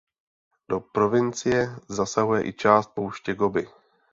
Do provincie zasahuje i část pouště Gobi.